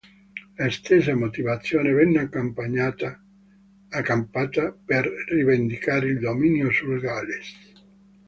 La stessa motivazione venne accampata per rivendicare il dominio sul Galles.